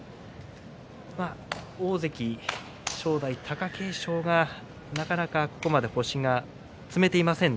大関正代と貴景勝がなかなか星を詰めていません。